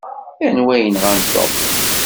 Anwa i yenɣan Tom?